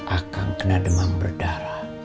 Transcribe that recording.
akang kena demam berdarah